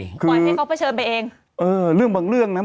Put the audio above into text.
ปล่อยให้เขาเผชิญไปเองเออเรื่องบางเรื่องนะ